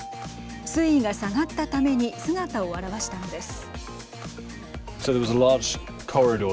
水位が下がったために姿を現したのです。